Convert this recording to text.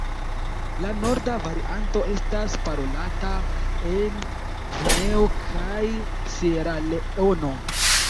La norda varianto estas parolata en Gvineo kaj Sieraleono.